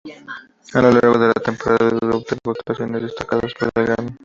A lo largo de la temporada, Dudu obtuvo actuaciones destacadas por el Grêmio.